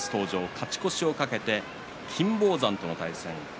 勝ち越しを懸けて金峰山との対戦です。